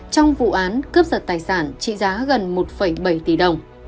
trong vụ án cướp giật tài sản trị giá gần một bảy tỷ đồng